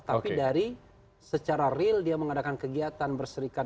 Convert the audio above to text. tapi dari secara real dia mengadakan kegiatan berserikat